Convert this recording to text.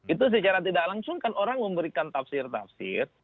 itu secara tidak langsung kan orang memberikan tafsir tafsir